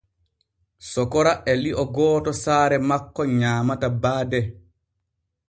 Sokora e lio gooto saare makko nyaamata baade.